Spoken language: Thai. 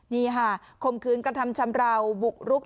นี่ค่ะคมคืนกระทำชำราวบุกรุก